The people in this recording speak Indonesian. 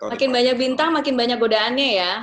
makin banyak bintang makin banyak godaannya ya